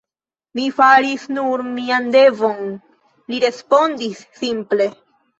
Mi faris nur mian devon, li respondis simple.